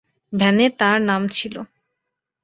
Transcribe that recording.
ভ্যানে তার নাম ছিল।